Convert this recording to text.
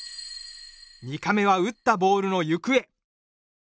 ２カメは打ったボールの行方